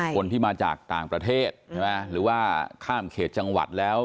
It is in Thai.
คนที่มาจากต่างประเทศใช่ไหมหรือว่าข้ามเขตจังหวัดแล้ว